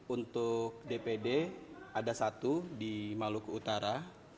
untuk dpd ada satu di maluku utara